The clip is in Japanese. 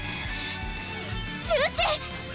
中止！